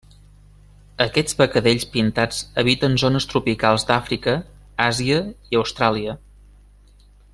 Aquests becadells pintats habiten zones tropicals d'Àfrica, Àsia i Austràlia.